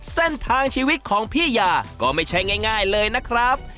เส้นทางชีวิตของพี่ยาก็ไม่ใช่ง่ายเลยนะครับ